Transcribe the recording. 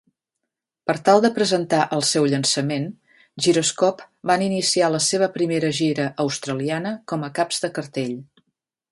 Per tal de presentar el seu llançament, Gyroscope van iniciar la seva primera gira australiana com a caps de cartell.